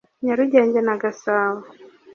Nyarugenge na Gasabo